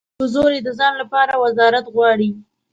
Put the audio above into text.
په زور یې د ځان لپاره وزارت غواړي.